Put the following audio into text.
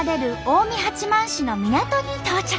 近江八幡市の港に到着。